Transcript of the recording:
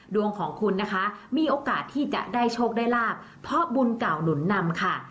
ดวงของคุณนะคะมีโอกาสที่จะได้โชคได้ลาบเพราะบุญเก่าหนุนนำค่ะ